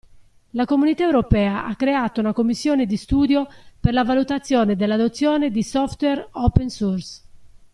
La Comunità Europea ha creato una commissione di studio per la valutazione dell'adozione di software open source.